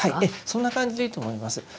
そんな感じでいいと思います。